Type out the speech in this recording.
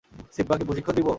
সিম্বাকে প্রশিক্ষণ দিব?